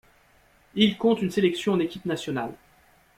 Il compte une sélection en équipe nationale.